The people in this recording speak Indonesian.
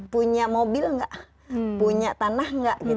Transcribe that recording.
punya mobil nggak punya tanah nggak